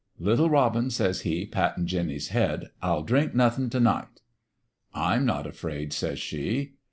"* Little robin, 1 says he, pattin' Jinny's head, * I'll drink nothin' t' night.' "' I'm not afraid,' says she.